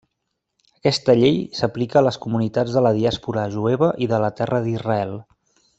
Aquesta llei s'aplica a les comunitats de la diàspora jueva i de la Terra d'Israel.